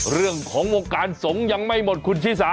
เรื่องของวงการสงฆ์ยังไม่หมดคุณชิสา